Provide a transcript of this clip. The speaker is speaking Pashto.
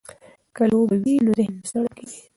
که لوبه وي نو ذهن نه ستړی کیږي.